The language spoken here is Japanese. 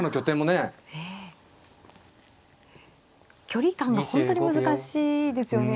距離感が本当に難しいですよね。